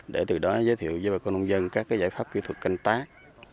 để từ đó giới thiệu với bà con nông dân các giải pháp kỹ thuật canh tác